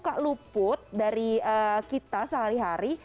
belum matang kayaknya ya